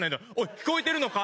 聞こえてるのか？